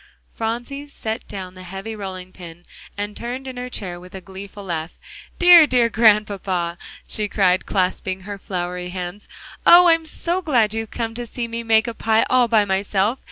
Phronsie set down the heavy rolling pin and turned in her chair with a gleeful laugh. "Dear, dear Grandpapa!" she cried, clasping her floury hands, "oh! I'm so glad you've come to see me make a pie all by myself.